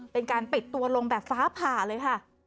เป็นการปิดตัวลงแบบฟ้าผ่าเลยค่ะ